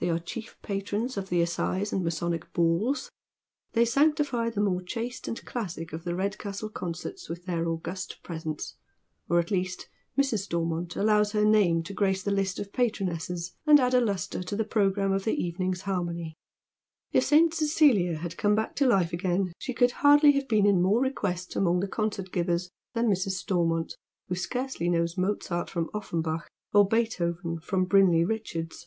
They are chief patrons of the assize and ijjasonic balls. They sanctify the more chaste and classic of the Eedcastle concerts with their august presence, or, lilt least, Mrs. Stormont allows her name to grace the list of patronesses, and add a lustre to the programme of the evening's liai mony. If St. Cecilia had come to life again she could hardly have been in more request among the conceit givers than Mrs. Stormont, who scarcely knows Mozart from Offenbach, or Beethoven from Brinley Richards.